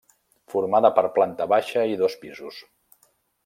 Formada per planta baixa i dos pisos.